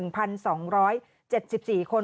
เป็น๒๗๔คน